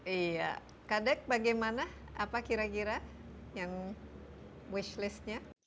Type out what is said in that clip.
iya kadek bagaimana apa kira kira yang wish listnya